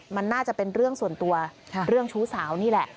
มันน่าจะเป็นเรื่องส่วนตัวเรื่องชู้สาวนี่แหละ